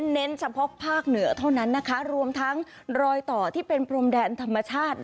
เน้นเฉพาะภาคเหนือเท่านั้นนะคะรวมทั้งรอยต่อที่เป็นพรมแดนธรรมชาติ